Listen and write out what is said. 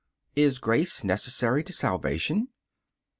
Is grace necessary to salvation?